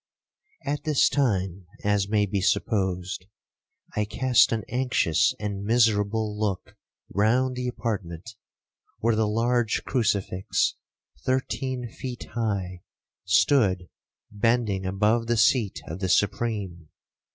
'At this time, as may be supposed, I cast an anxious and miserable look round the apartment, where the large crucifix, thirteen feet high, stood bending above the seat of the Supreme.